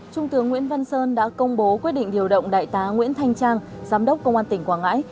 trung tướng nguyễn văn sơn đã công bố quyết định điều động đại tá nguyễn thanh trang giám đốc công an tỉnh quảng ngãi